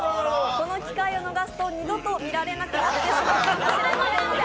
この機会を逃すと二度と見られなくなってしまいます。